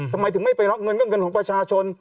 ทำไมถึงไม่ไปรับเงินก็เงินของประชาชน